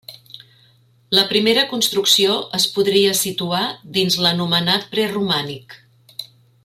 La primera construcció es podria situar dins l'anomenat preromànic.